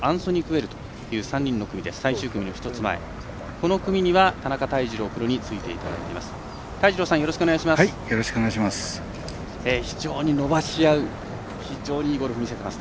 この組には田中泰二郎プロについていただきます。